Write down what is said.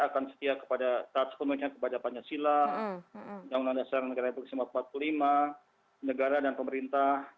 akan setia kepada tatse penuhnya kepada pak nyesila jangan undang dasar negara seribu sembilan ratus empat puluh lima negara dan pemerintah